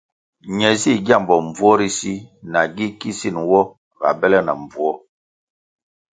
Ne zih gyambo mbvuo ri si na gi kisin nwo ga bele na mbvuo.